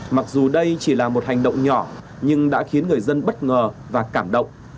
mặc dù đây chỉ là một hành động nhỏ nhưng đã khiến người dân bất ngờ và cảm động